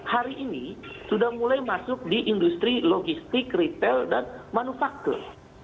hari ini sudah mulai masuk di industri logistik retail dan manufaktur